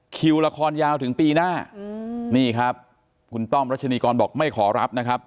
คิวละครยาวถึงปีหน้านี่ครับคุณต้อมรัชนีกรบอกไม่ขอรับนะครับ